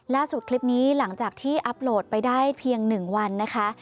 คลิปนี้หลังจากที่อัพโหลดไปได้เพียง๑วันนะคะ